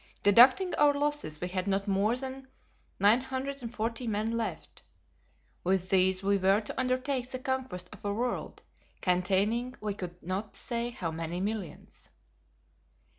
Deducting our losses we had not more than 940 men left. With these we were to undertake the conquest of a world containing we could not say how many millions!